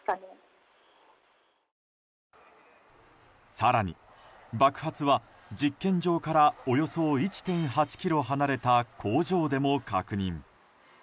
更に、爆発は実験場からおよそ１．８ｋｍ離れた工場でも確認。